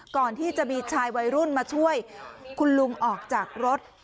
ก่อนที่จะมีชายวัยรุ่นมาช่วยคุณลุงออกจากรถ